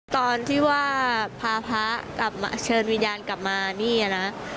ตอนที่พาพระเชิญวิญญาณกลับมานี่นะ